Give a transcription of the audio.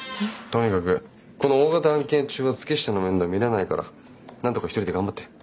とにかくこの大型案件中は月下の面倒見れないからなんとか一人で頑張って。